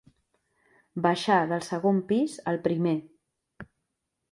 Baixar del segon pis al primer.